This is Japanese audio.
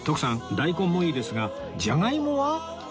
大根もいいですがジャガイモは？